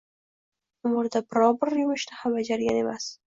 Umrida biron-bir yumushni ham bajargan emas.